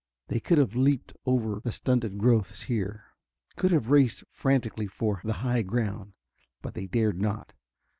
They could have leaped over the stunted growths here, could have raced frantically for the high ground, but they dared not.